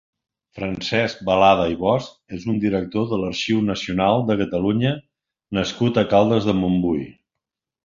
Francesc Balada i Bosch és un director de l'Arxiu Nacional de Catalunya nascut a Caldes de Montbui.